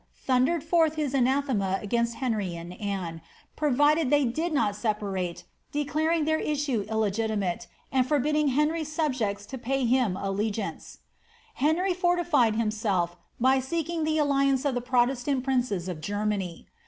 thundered forth his anathema against Henry and Anne, provided they did not separate, declaring their issue illegitimate, and forbidding Henry's subjects to pay him their allegiance. Henry fortified himself by seeking the alliance of the Protestant princes of Germany.